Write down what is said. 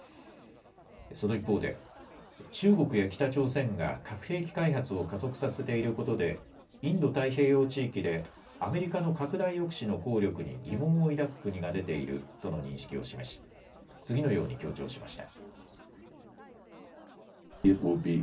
その一方で中国や北朝鮮が核兵器開発を加速させていることでインド太平洋地域でアメリカの拡大抑止の効力に疑問を抱く国が出ているとの認識を示し次のように強調しました。